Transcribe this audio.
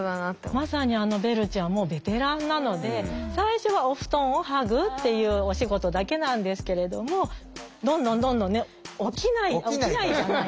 まさにあのベルちゃんもうベテランなので最初はお布団を剥ぐっていうお仕事だけなんですけれどもどんどんどんどんね起きないあっ起きないじゃない。